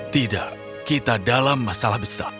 tidak kita dalam masalah besar